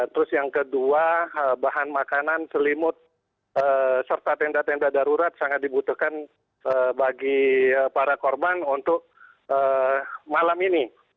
terus yang kedua bahan makanan selimut serta tenda tenda darurat sangat dibutuhkan bagi para korban untuk malam ini